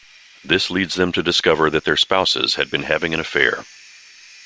This leads them to discover that their spouses had been having an affair.